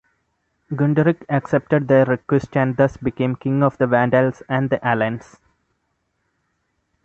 Gunderic accepted their request and thus became King of the Vandals and Alans.